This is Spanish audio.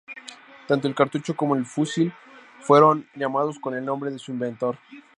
Tanto el cartucho como el fusil fueron llamados con el nombre de su inventor.